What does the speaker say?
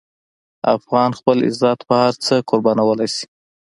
افغان خپل عزت په هر څه قربانولی شي.